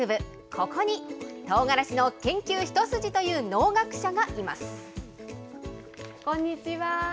ここにとうがらしの研究一筋という農学者がいます。